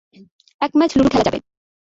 এক match ludo খেলা যাবে।